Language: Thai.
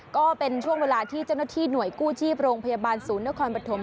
ก็เป็นช่วงเวลาที่เจ้าหน้าที่หน่วยกู้ชีพโรงพยาบาลศูนย์นครปฐม